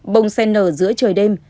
bông sen nở giữa trời đêm